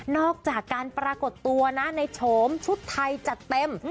อกจากการปรากฏตัวนะในโฉมชุดไทยจัดเต็ม